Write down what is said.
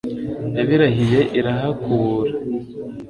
yabirahiye irahakubura